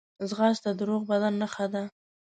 ځغاسته د روغ بدن نښه ده